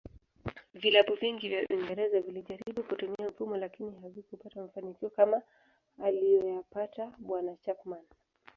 Vilabu vingi vya uingereza vilijaribu kutumia mfumo lakini havikupata mafanikio kama aliyoyapata bwana Chapman